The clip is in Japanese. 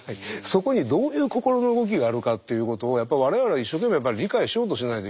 そこにどういう心の動きがあるかっていうことをやっぱり我々は一生懸命理解しようとしないといけない。